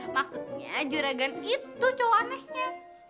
maksudnya juragan itu anehnya